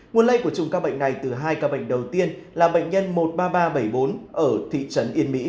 nguồn lây của chùm ca bệnh này từ hai ca bệnh đầu tiên là bệnh nhân một mươi ba nghìn ba trăm bảy mươi bốn ở thị trấn yên mỹ